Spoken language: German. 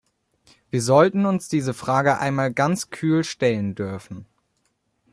Wir sollten uns diese Frage einmal ganz kühl stellen dürfen.